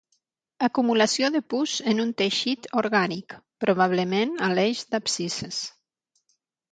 Acumulació de pus en un teixit orgànic, probablement a l'eix d'abscisses.